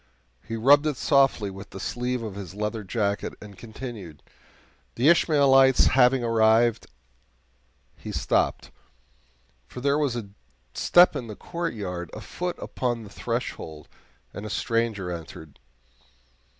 He rubbed it softly with the sleeve of his leather jacket, and continued: "'The Ishmaelites having arrived '" He stopped, for there was a step in the courtyard, a foot upon the threshold, and a stranger entered.